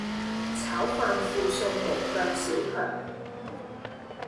炒飯附送無腳小强